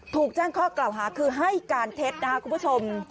ถูกแจ้งข้อกล่าวหาคือให้การเท็จนะครับคุณผู้ชม